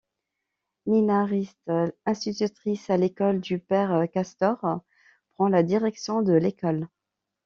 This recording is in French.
Nina Rist, institutrice à l'école du Père Castor, prend la direction de l'école.